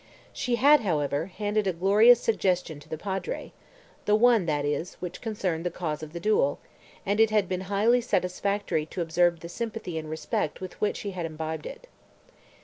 She had, however, handed a glorious suggestion to the Padre, the one, that is, which concerned the cause of the duel, and it had been highly satisfactory to observe the sympathy and respect with which he had imbibed it.